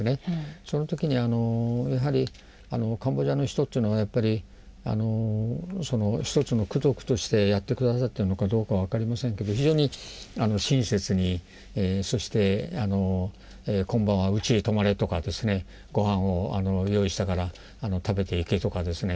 その時にやはりカンボジアの人というのはやっぱり一つの功徳としてやって下さってるのかどうか分かりませんけど非常に親切にそして今晩はうちへ泊まれとかご飯を用意したから食べていけとかですね。